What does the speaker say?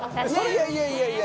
いやいやいやいや。